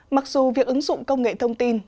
mặc dù việc ứng dụng công nghệ thông tin